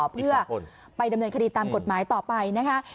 เพื่อไปดำเนินคดีตามกฎหมายต่อไปนะคะ